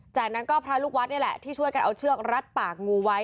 จากนั้นก็พระลูกวัดนี่แหละที่ช่วยกันเอาเชือกรัดปากงูไว้